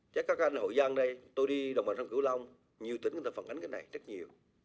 chắc các anh hội gian đây tôi đi đồng hành sang cửu long nhiều tỉnh người ta phản ánh cái này rất nhiều